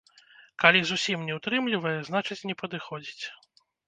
Калі зусім не ўтрымлівае, значыць не падыходзіць.